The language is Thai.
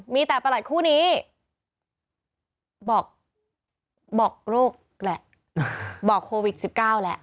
มีแต่ประหลัดคู่นี้บอกโรคแหละบอกโควิด๑๙แหละ